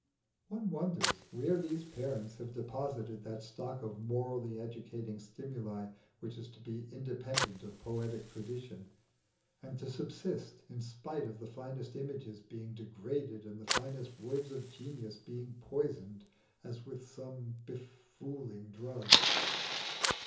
One wonders where these parents have deposited that stock of morally educating stimuli which is to be independent of poetic tradition, and to subsist in spite of the finest images being degraded and the finest words of genius being poisoned as with some befooling drug.